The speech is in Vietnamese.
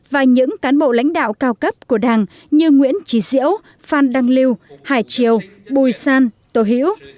và những cán bộ lãnh đạo cao cấp của đảng như nguyễn trí diễu phan đăng lưu hải triều bùi săn tổ hiểu